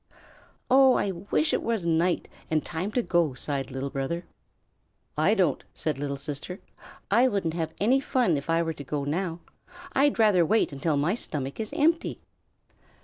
"Oh, I wish it were night and time to go," sighed Little Brother. "I don't," said Little Sister. "I wouldn't have any fun if I were to go now. I'd rather wait until my stomach is empty."